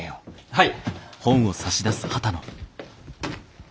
はい！